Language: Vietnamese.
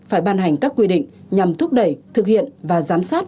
phải ban hành các quy định nhằm thúc đẩy thực hiện và giám sát